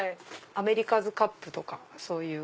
アメリカズカップとかそういう。